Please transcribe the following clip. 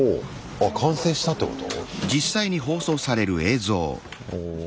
あ完成したってこと？